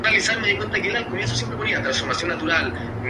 Sharon está entrenada como atleta y en artes marciales.